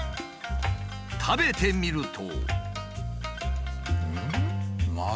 食べてみると。